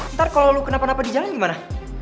ntar kalo lo kenapa napa di jalan gimana